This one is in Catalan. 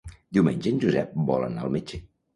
Diumenge en Josep vol anar al metge.